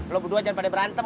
lo berdua jangan pada berantem